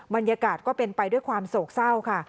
บรรยากาศก็เป็นไปด้วยความโศกเศร้าค่ะ